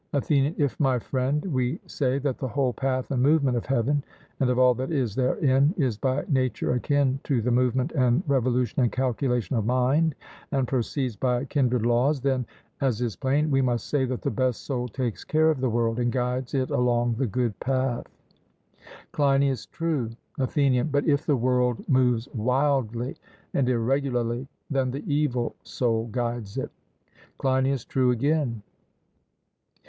ATHENIAN: If, my friend, we say that the whole path and movement of heaven, and of all that is therein, is by nature akin to the movement and revolution and calculation of mind, and proceeds by kindred laws, then, as is plain, we must say that the best soul takes care of the world and guides it along the good path. CLEINIAS: True. ATHENIAN: But if the world moves wildly and irregularly, then the evil soul guides it. CLEINIAS: True again.